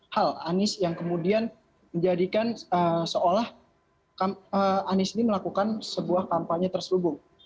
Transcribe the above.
hal anies yang kemudian menjadikan seolah anies ini melakukan sebuah kampanye terselubung